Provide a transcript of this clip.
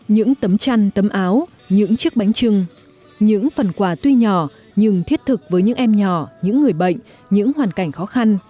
những tấm chăn tấm áo những chiếc bánh trưng những phần quà tuy nhỏ nhưng thiết thực với những em nhỏ những người bệnh những hoàn cảnh khó khăn